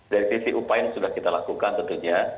dari sisi upaya yang sudah kita lakukan tentunya